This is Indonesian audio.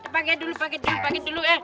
pakai dulu pakai dulu